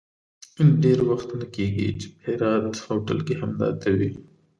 ډېر وخت نه کېږي چې په هرات هوټل کې همدا ته وې.